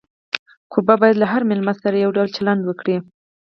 کوربه باید له هر مېلمه سره یو ډول چلند وکړي.